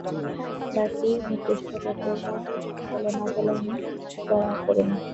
বাকী নিকৃষ্ট লোকেরা কি বলে না বলে, আমি তার পরোয়া করি না।